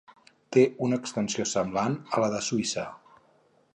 Té una extensió semblant a la de Suïssa.